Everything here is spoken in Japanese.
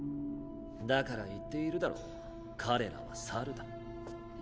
だから言っているだろう彼らは猿だ。